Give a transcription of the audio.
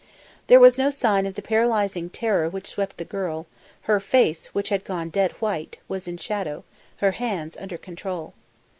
There was no sign of the paralysing terror which swept the girl; her face, which had gone dead white, was in shadow, her hands under control.